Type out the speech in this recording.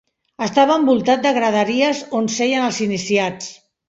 Estava envoltat de graderies on seien els iniciats.